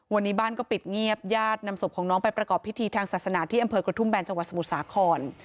วันนี้บ้านก็ปิดเงียบญาตินำศพของน้องไปประกอบพิธีทางศาสนาที่อำเภอกระทุ่มแบนจังหวัดสมุทรสาคร